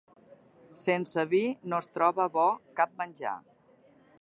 Sense vi no es troba bo cap menjar.